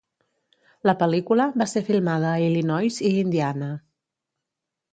La pel·lícula va ser filmada a Illinois i Indiana.